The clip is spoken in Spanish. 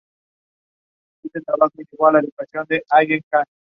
Pero en esa región las montoneras no parecía que pudieran hacer mucho daño.